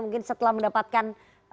mungkin setelah mendapatkan